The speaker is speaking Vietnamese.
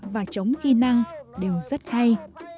và trống ghi năng đều rất hay